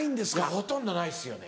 ほとんどないですよね。